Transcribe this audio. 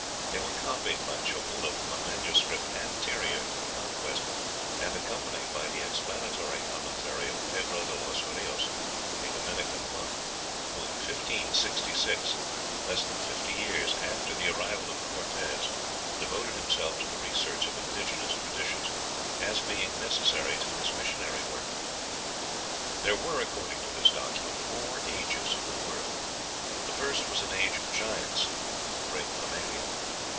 They were copied at Chobula from a manuscript anterior to the conquest, and accompanied by the explanatory commentary of Pedro de los Rios, a Dominican monk, who, in 1566, less than fifty years after the arrival of Cortez, devoted himself to the research of indigenous traditions as being necessary to his missionary work." There were, according to this document, four ages of the world. The first was an age of giants (the great mammalia?)